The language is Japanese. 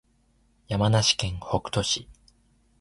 山梨県北杜市